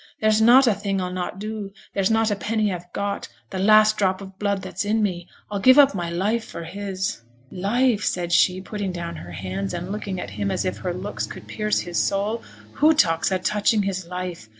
There's not a thing I'll not do; there's not a penny I've got, th' last drop of blood that's in me, I'll give up my life for his.' 'Life,' said she, putting down her hands, and looking at him as if her looks could pierce his soul; 'who talks o' touching his life?